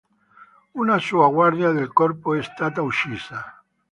Una sua guardia del corpo è stata uccisa.